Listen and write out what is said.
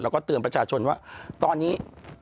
แล้วก็เตือนประชาชนว่าตอนนี้